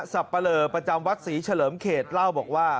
สับปะเลอประจำวัดศรีเฉลิมเขตเล่าบอกว่า